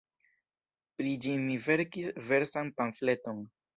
Pri ĝi mi verkis versan pamfleton.